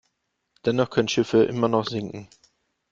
Dennoch können Schiffe immer noch sinken.